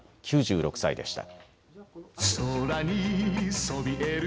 ９６歳でした。